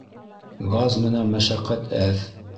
Газ менән мәшәҡәт әҙ